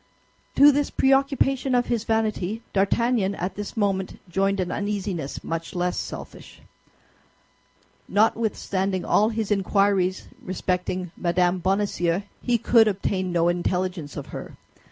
To this preoccupation of his vanity, D'Artagnan at this moment joined an uneasiness much less selfish. Notwithstanding all his inquiries respecting Mme. Bonacieux, he could obtain no intelligence of her.